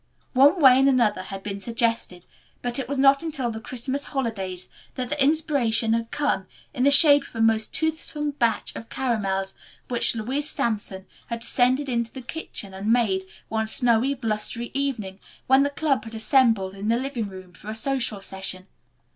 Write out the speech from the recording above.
One way and another had been suggested, but it was not until the Christmas holidays that the inspiration had come in the shape of a most toothsome batch of caramels which Louise Sampson had descended into the kitchen and made, one snowy, blustery evening when the club had assembled in the living room for a social session.